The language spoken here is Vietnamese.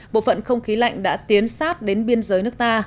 bộ phận không khí lạnh đã tiến sát đến biên giới nước ta